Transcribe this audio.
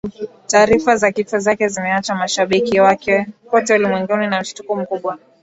Taarifa za kifo chake zimeacha mashabiki wake kote ulimwenguni na mshutuko mkubwa